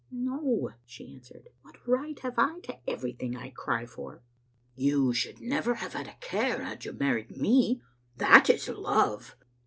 " No," she answered. "What right have I to every thing I cry for?" " You should never have had a care had you married me. That is love.